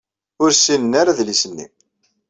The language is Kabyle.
Ur ssinen ara adlis-nni.